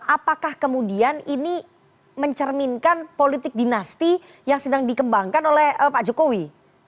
apakah kemudian ini mencerminkan politik dinasti yang sedang dikembangkan oleh pak jokowi